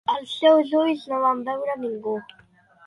Els seus ulls no van veure ningú.